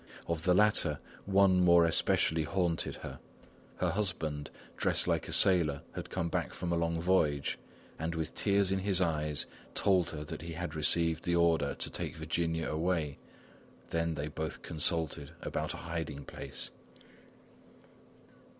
Of the latter, one more especially haunted her. Her husband, dressed like a sailor, had come back from a long voyage, and with tears in his eyes told her that he had received the order to take Virginia away. Then they both consulted about a hiding place.